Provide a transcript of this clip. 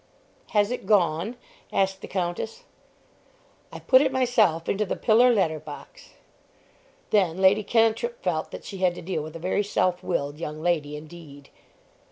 "Has it gone?" asked the Countess. "I put it myself into the pillar letter box." Then Lady Cantrip felt that she had to deal with a very self willed young lady indeed.